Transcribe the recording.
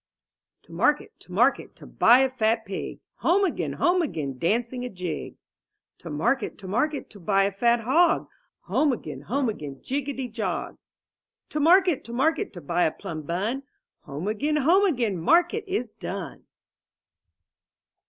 npO market, to market, to buy a fat pig; Home again, home again, dancing a jig. To market, to market, to buy a fat hog; Home again, home again, jiggety jog. To market, to market, to buy a plum bun; Home again, home again, market is done.